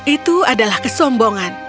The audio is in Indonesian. itu adalah kesombongan